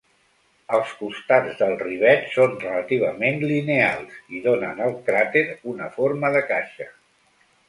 Els costats del rivet són relativament lineals, i donen al cràter una forma de caixa.